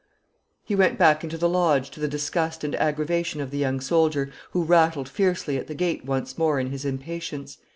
He went back into the lodge, to the disgust and aggravation of the young soldier, who rattled fiercely at the gate once more in his impatience.